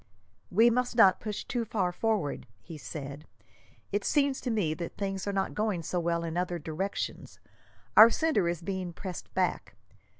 "We must not push too far forward," he said. "It seems to me that things are not going so well in other directions. Our centre is being pressed back.